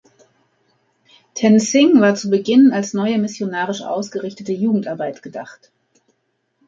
Ten Sing war zu Beginn als neue missionarisch ausgerichtete Jugendarbeit gedacht.